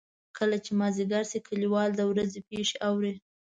کله چې مازدیګر شي کلیوال د ورځې پېښې اوري.